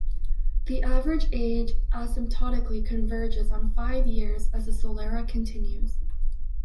The average age asymptotically converges on five years as the "solera" continues.